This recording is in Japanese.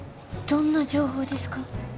どんな情報ですか？